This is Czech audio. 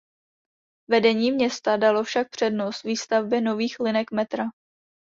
Vedení města dalo však přednost výstavbě nových linek metra.